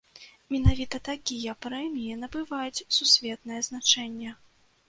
Менавіта такія прэміі набываюць сусветнае значэнне.